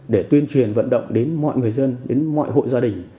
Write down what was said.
để tuyên truyền vận động đến mọi người dân đến mọi hội gia đình